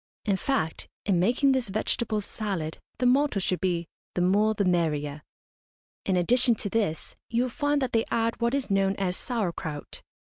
In fact, in making this vegetable salad the motto should be "the more the merrier." In addition to this you will find that they add what is known as sauer kraut.